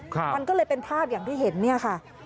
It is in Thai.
มันก็เลยเป็นภาพอย่างที่เห็นเนี่ยค่ะ